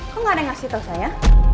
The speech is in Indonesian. kok gak ada yang ngasih tahu saya